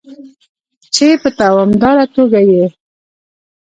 چې په دوامداره توګه یې